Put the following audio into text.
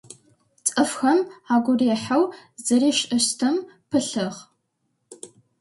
Цӏыфхэм агу рихьэу зэришӏыщтым пылъыгъ.